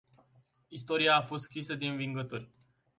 Istoria a fost scrisă de învingători.